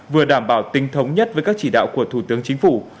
vừa đảm bảo tinh thống nhất với các chỉ đạo của thủ tướng chính phủ